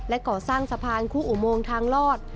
ก่อสร้างสะพานคู่อุโมงทางลอด